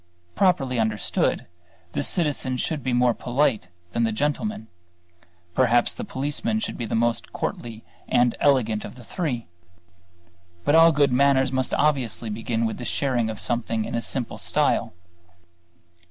Properly understood, the citizen should be more polite than the gentleman; perhaps the policeman should be the most courtly and elegant of the three. But all good manners must obviously begin with the sharing of something in a simple style.